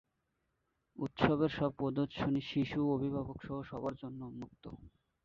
উৎসবের সব প্রদর্শনী শিশু, অভিভাবকসহ সবার জন্য উন্মুক্ত।